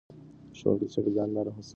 ښوونکي د شاګردانو لاره هوسا کوي.